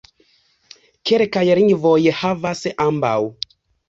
Kelkaj lingvoj havas ambaŭ.